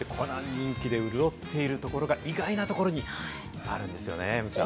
人気で潤っているところが意外なところにあるんですよね、山ちゃん。